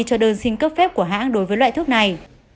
cho đơn xin cấp phép của hãng đối với loại thuốc này